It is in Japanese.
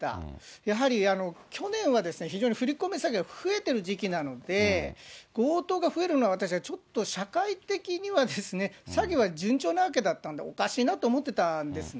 やはり去年は非常に振り込め詐欺が増えてる時期なので、強盗が増えるのは私はちょっと社会的には詐欺は順調なわけだったんで、おかしいなと思ってたんですね。